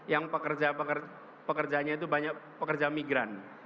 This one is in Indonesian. yang pekerja pekerjanya itu banyak pekerja migran